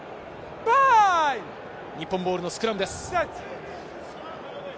日本ボールのスクラムです。